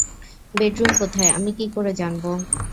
Bedroom কোথায় আমি কি করে জানবো?